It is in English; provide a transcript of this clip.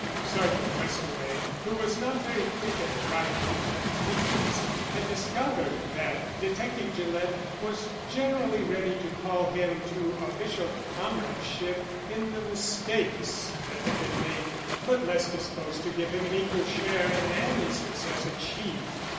Sergeant Westaway, who was not very quick at arriving at conclusions, had discovered that Detective Gillett was generally ready to call him to official comradeship in the mistakes that had been made, but less disposed to give him an equal share in any success achieved.